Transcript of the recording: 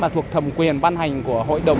thuộc thẩm quyền ban hành của hội đồng